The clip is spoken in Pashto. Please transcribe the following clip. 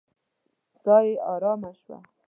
ساه يې آرامه شوه.